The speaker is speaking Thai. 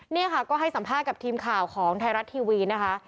นี่ค่ะก็ให้สัมภาษณ์กับทีมข่าวของไทยรัฐทีวีนะคะ